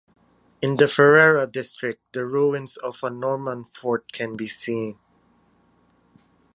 In the Ferrara district the ruins of a Norman fort can be seen.